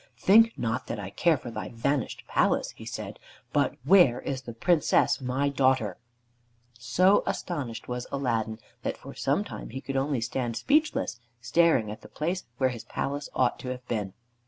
"Think not that I care for thy vanished palace," he said. "But where is the Princess, my daughter?" So astonished was Aladdin that for some time he could only stand speechless, staring at the place where his palace ought to have been.